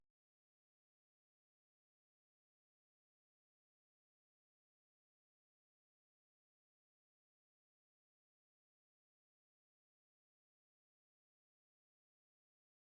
mama yang udah mengkuasainya